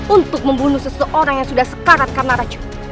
untuk membunuh seseorang yang sudah sekarat karena racun